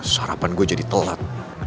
sarapan gue jadi telat